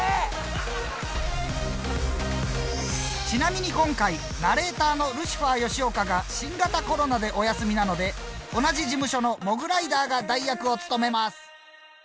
ちなみに今回ナレーターのルシファー吉岡が新型コロナでお休みなので同じ事務所のモグライダーが代役を務めます。